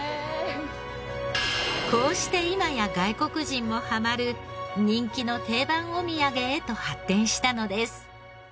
こうして今や外国人もハマる人気の定番お土産へと発展したのです。